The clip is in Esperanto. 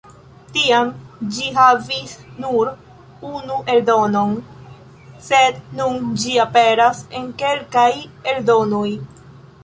Tiam ĝi havis nur unu eldonon, sed nun ĝi aperas en kelkaj eldonoj.